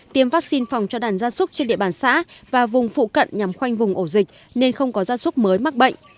tiêm vaccine phòng cho đàn gia súc trên địa bàn xã và vùng phụ cận nhằm khoanh vùng ổ dịch nên không có gia súc mới mắc bệnh